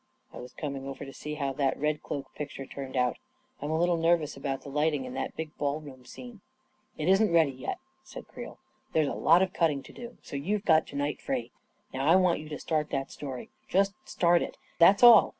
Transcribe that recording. " I was coming over to see how that ' Red Cloak ' picture turned out. I'm a little nervous about the lighting in that big ball room scene." " It isn't ready yet," said Creel. " There's a lot of cutting to do. So you've got to night free. Now I want you to start that story. Just start it, that's*, all.